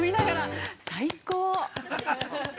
◆最高！